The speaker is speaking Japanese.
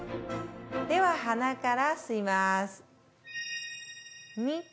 では鼻から吸います。